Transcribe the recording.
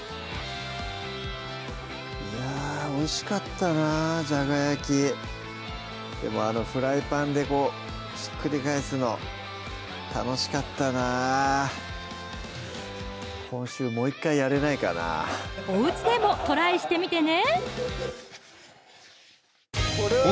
いやおいしかったなぁ「じゃが焼き」でもあのフライパンでひっくり返すの楽しかったなおうちでもトライしてみてね